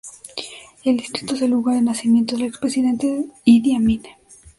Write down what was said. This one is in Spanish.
El distrito es el lugar de nacimiento del expresidente Idi Amin.